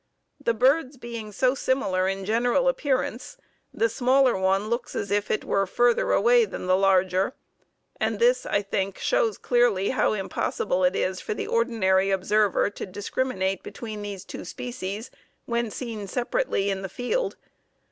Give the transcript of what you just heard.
The birds being so similar in general appearance, the smaller one looks as if it were further away than the larger, and this, I think, shows clearly how impossible it is for the ordinary observer to discriminate between these two species when seen separately in the field.